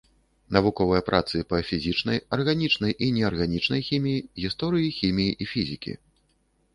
Навуковыя працы па фізічнай, арганічнай і неарганічнай хіміі, гісторыі хіміі і фізікі.